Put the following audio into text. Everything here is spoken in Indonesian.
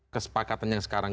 kesepakatan yang sekarang ini